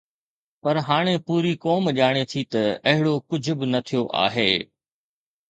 پر هاڻي پوري قوم ڄاڻي ٿي ته اهڙو ڪجهه به نه ٿيو آهي.